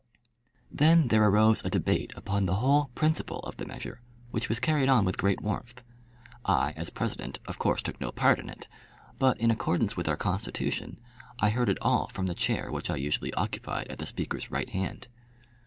Then there arose a debate upon the whole principle of the measure, which was carried on with great warmth. I, as President, of course took no part in it; but, in accordance with our constitution, I heard it all from the chair which I usually occupied at the Speaker's right hand.